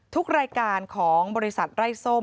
ทุกรายการของบริษัทไร้ส้ม